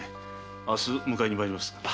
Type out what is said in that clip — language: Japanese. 明日迎えに参ります。